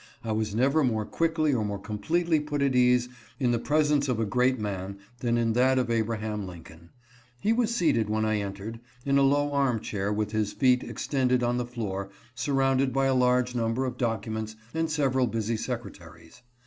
I was never more quickly or more completely put at ease in the presence of a great man than in that of Abraham Lincoln. He was seated, when I entered, in a low arm chair with his feet extended on the floor, surrounded by a large number of documents and several busy secretaries.